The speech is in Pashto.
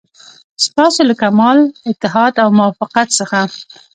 ستاسو له کمال اتحاد او موافقت څخه.